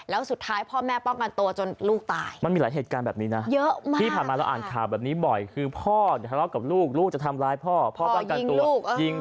แล้วสุดท้ายพ่อแม่ป้องกันตัวจนลูกตาย